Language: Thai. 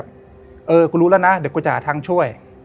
เออกูรู้แล้วนะเดี๋ยวกูจะหาทางช่วย